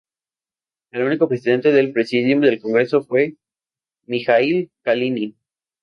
El único Presidente del Presidium del Congreso fue Mijaíl Kalinin.